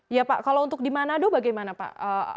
ya pak kalau untuk di manado bagaimana pak